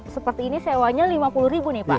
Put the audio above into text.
seperti ini sewanya lima puluh ribu nih pak